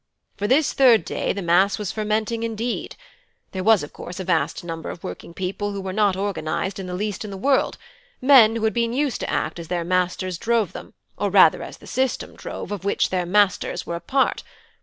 For this third day the mass was fermenting indeed. There was, of course, a vast number of working people who were not organised in the least in the world; men who had been used to act as their masters drove them, or rather as the system drove, of which their masters were a part.